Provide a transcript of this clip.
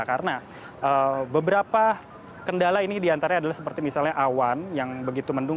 karena beberapa kendala ini diantaranya adalah seperti misalnya awan yang begitu mendung